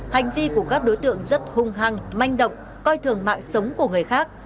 hành vi của các đối tượng rất hung hăng manh động coi thường mạng sống của người khác